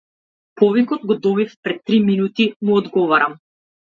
Повикот го добив пред три минути му одговарам.